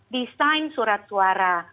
desain surat suara